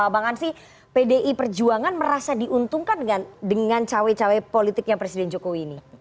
bang ansi pdi perjuangan merasa diuntungkan dengan cawe cawe politiknya presiden jokowi ini